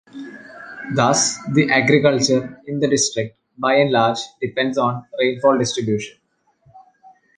Thus, the Agriculture in the district by and large depends on rainfall distribution.